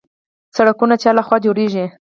سړکونه چا لخوا جوړیږي؟